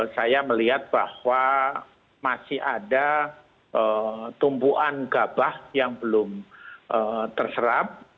saya melihat bahwa masih ada tumpuan gabah yang belum terserap